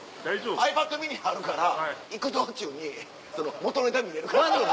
ｉＰａｄｍｉｎｉあるから行く道中に元ネタ見れるから。